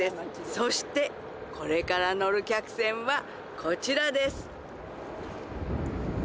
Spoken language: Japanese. そしてこれから乗る客船はこちらです